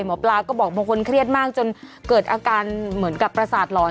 หมอปลาก็บอกบางคนเครียดมากจนเกิดอาการเหมือนกับประสาทหลอน